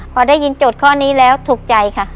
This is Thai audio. พอได้ยินโจทย์ข้อนี้แล้วถูกใจค่ะ